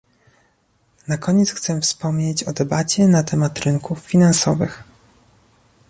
Na koniec chcę wspomnieć o debacie na temat rynków finansowych